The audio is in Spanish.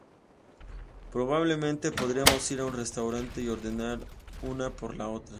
Probablemente podríamos ir a un restaurante y ordenar una por la otra.